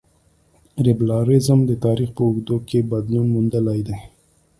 لېبرالیزم د تاریخ په اوږدو کې بدلون موندلی دی.